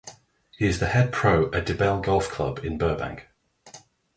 He is the head pro at De Bell Golf Club in Burbank.